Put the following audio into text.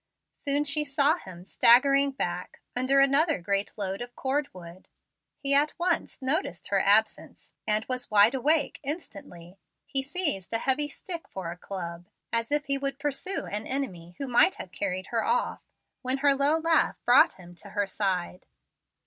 Soon she saw him staggering back under another great load of cord wood. He at once noticed her absence, and was wide awake instantly. He seized a heavy stick for a club, as if he would pursue an enemy who might have carried her off, when her low laugh brought him to her side.